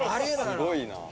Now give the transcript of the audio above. すごいな。